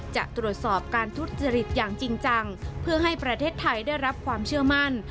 จะตรวจสอบการทุจริตอย่างจริงจังเพื่อให้ประเทศไทยได้รับความเชื่อมั่น